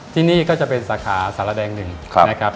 ที่นี่ก็จะเป็นสาขาสารแดงหนึ่งนะครับ